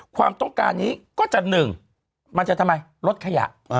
ความต้องการนี้ก็จะหนึ่งมันจะทำไมลดขยะ